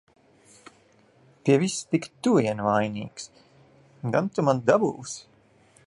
Pie visa tik tu vien vainīgs! Gan tu man dabūsi!